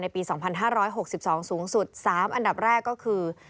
ปี๒๕๖๒สูงสุด๓อันดับแรกก็คือ